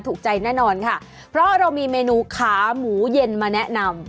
ถูกใจแน่นอนค่ะเพราะเรามีเมนูขาหมูเย็นมาแนะนำ